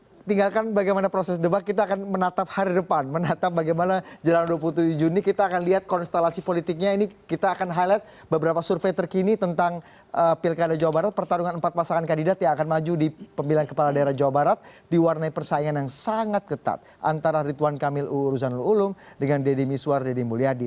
sekarang tinggalkan bagaimana proses debat kita akan menatap hari depan menatap bagaimana jalan dua puluh tujuh juni kita akan lihat konstelasi politiknya ini kita akan highlight beberapa survei terkini tentang pilkada jawa barat pertarungan empat pasangan kandidat yang akan maju di pemilihan kepala daerah jawa barat diwarnai persaingan yang sangat ketat antara ridwan kamil u ruzanul ulum dengan deddy miswar deddy mulyadi